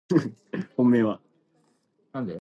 Mature bark is grayish and vertically grooved.